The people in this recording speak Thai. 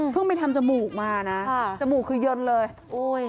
เพิ่งไปทำจมูกมานะจมูกคือยนเลย